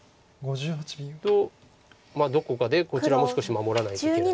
とどこかでこちらも少し守らないといけない。